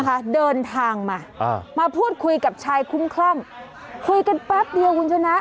อ๋อนะคะเดินทางมามาพูดคุยกับชายคุ้มคร่ำคุยกันปั๊บเดียวคุณชนะ